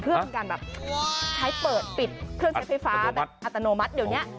เพื่อเป็นการแบบใช้เปิดปิดเครื่องใช้ไฟฟ้าแบบอัตโนมัติเดี๋ยวนี้